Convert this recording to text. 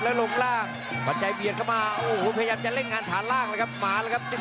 แล้วลงร่างขวัญใจเหวียดเข้ามา